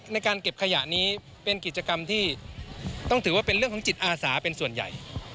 ในการเก็บขยะนี้เป็นกิจกรรมที่ต้องถือว่าเป็นเรื่องของจิตอาสาเป็นส่วนใหญ่